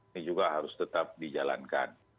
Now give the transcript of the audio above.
ini juga harus tetap dijalankan